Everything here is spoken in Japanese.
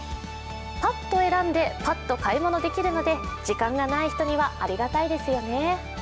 パッと選んでパッと買い物できるので時間がない人にはありがたいですよね。